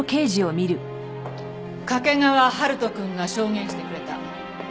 掛川春人くんが証言してくれた。